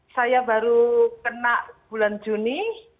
saya baru kena bulan juni